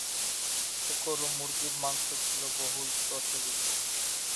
শূকর ও মুরগির মাংস ছিল বহুল প্রচলিত।